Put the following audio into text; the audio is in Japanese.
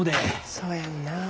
そうやんなあ。